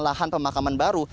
lahan pemakaman baru